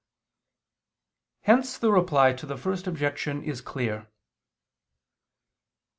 Hence the Reply to the First Objection is clear.